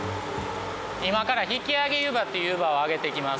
今から引きあげ湯葉っていう湯葉をあげていきます。